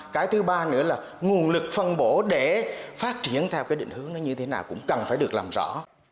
cái thứ ba nữa là nguồn lực phân bổ để phát triển theo cái định hướng nó như thế nào cũng cần phải được làm rõ